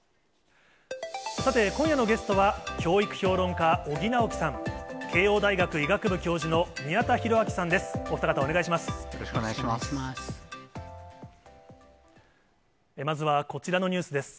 さて、今夜のゲストは、教育評論家、尾木直樹さん。慶応大学医学部教授の宮田裕章さんです。